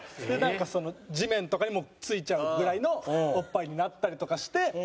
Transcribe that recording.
それでなんか地面とかにもついちゃうぐらいのおっぱいになったりとかして。